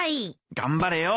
頑張れよ